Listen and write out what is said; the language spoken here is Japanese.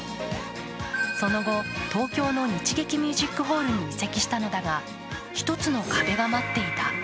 その後、東京の日劇ミュージックホールに移籍したのだが１つの壁が待っていた。